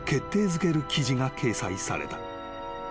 づける記事が掲載された］